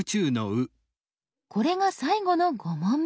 これが最後の５問目。